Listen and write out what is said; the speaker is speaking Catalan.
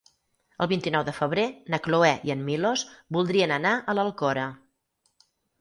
El vint-i-nou de febrer na Cloè i en Milos voldrien anar a l'Alcora.